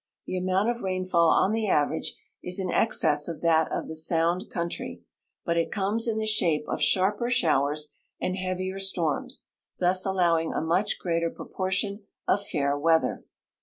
The amount of rainfall on the average is in excess of that of the Sound country, but it comes in the shape of sharper showers and heavier storms, thus allowing a much greater proportion of fair weather.